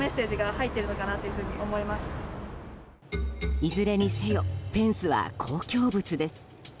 いずれにせよフェンスは公共物です。